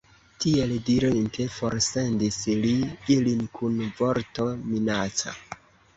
Tiel dirinte, forsendis li ilin kun vorto minaca.